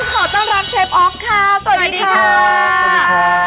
ขอต้อนรับเชฟออฟค่ะสวัสดีค่ะ